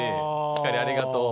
ひかりありがとう。